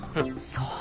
そう。